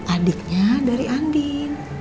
adiknya dari andin